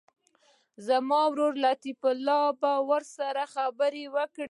زما ورور لطیف الله به ورسره خبرې وکړي.